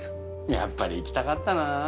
やっぱり行きたかったな。